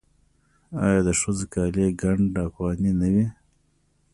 آیا د ښځو کالي ګنډ افغاني نه وي؟